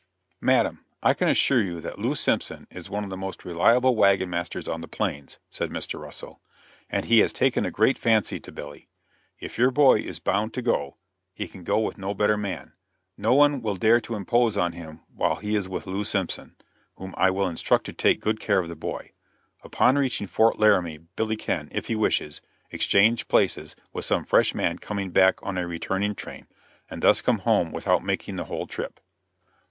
"Madam, I can assure you that Lew. Simpson is one of the most reliable wagon masters on the plains," said Mr. Russell, "and he has taken a great fancy to Billy. If your boy is bound to go, he can go with no better man. No one will dare to impose on him while he is with Lew. Simpson, whom I will instruct to take good care of the boy. Upon reaching Fort Laramie, Billy can, if he wishes, exchange places with some fresh man coming back on a returning train, and thus come home without making the whole trip."